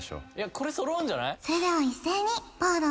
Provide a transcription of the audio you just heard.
・これそろうんじゃない？